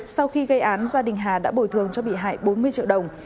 sau khi gây án gia đình hà đã bồi thường cho bị hại bốn mươi triệu đồng